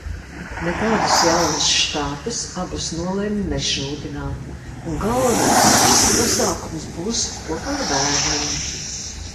Nekādas jaunas štātes abas nolemj nešūdināt, un galvenais viss pasākums būs kopā ar bērniem.